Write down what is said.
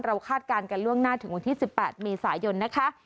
คาดการณ์กันล่วงหน้าถึงวันที่๑๘เมษายนนะคะ